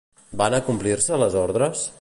Van acomplir-se les ordres?